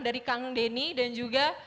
dari kang denny dan juga